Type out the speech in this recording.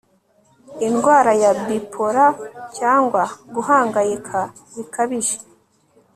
indwara ya bipolar cyangwa guhangayika bikabije